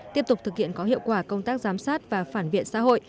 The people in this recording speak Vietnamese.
tiếp tục thực hiện có hiệu quả công tác giám sát và phản biện xã hội